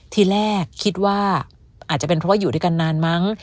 ทีแรกคิดว่าอาจจะเป็นเพราะว่าอยู่ด้วยกันนานมั้ง